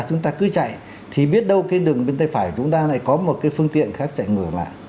chúng ta cứ chạy thì biết đâu cái đường bên tay phải chúng ta lại có một cái phương tiện khác chạy ngược lại